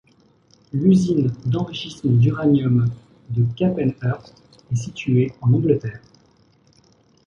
L'usine d'enrichissement d'uranium de Capenhurst est située en Angleterre.